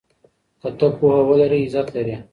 که ته پوهه ولرې عزت لرې.